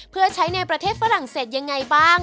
เพื่อใช้ในประเทศฝรั่งเศสยังไงบ้าง